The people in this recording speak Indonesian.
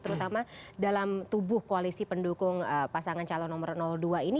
terutama dalam tubuh koalisi pendukung pasangan calon nomor dua ini